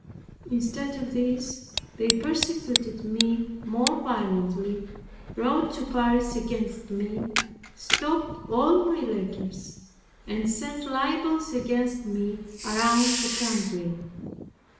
Instead of this, they persecuted me more violently, wrote to Paris against me, stopped all my letters, and sent libels against me around the country.